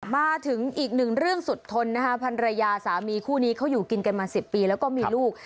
มาถึงอีกหนึ่งเรื่องสุดทนนะคะพันรยาสามีคู่นี้เขาอยู่กินกันมา๑๐ปีแล้วก็มีลูก